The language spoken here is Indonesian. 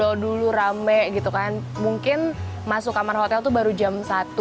kalau dulu rame gitu kan mungkin masuk kamar hotel itu baru jam satu